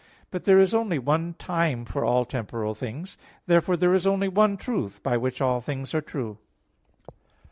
But there is only one time for all temporal things. Therefore there is only one truth, by which all things are true.